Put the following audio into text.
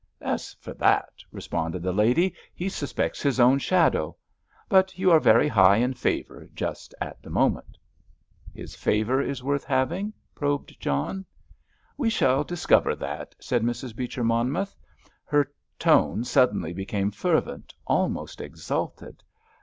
"As for that," responded the lady, "he suspects his own shadow. But you are very high in favour just at the moment." "His favour is worth having?" probed John. "We shall discover that," said Mrs. Beecher Monmouth. Her tone suddenly became fervent, almost exalted.